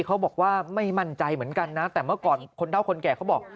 เขาบอกว่าไม่มั่นใจเหมือนกันนะแต่เมื่อก่อนคนเท่าคนแก่เขาบอก